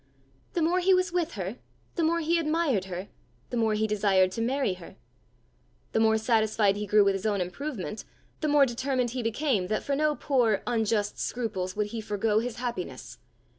The more he was with her, the more he admired her, the more he desired to marry her; the more satisfied he grew with his own improvement, the more determined he became that for no poor, unjust scruples would he forgo his happiness.